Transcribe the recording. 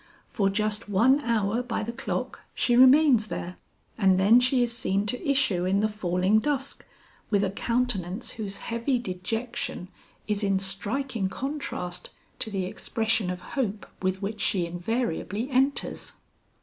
For just one hour by the clock she remains there, and then she is seen to issue in the falling dusk, with a countenance whose heavy dejection is in striking contrast to the expression of hope with which she invariably enters.